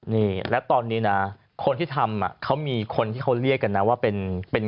นี่แล้วตอนนี้นะคนที่ทำเขามีคนที่เขาเรียกกันนะว่าเป็นเป็น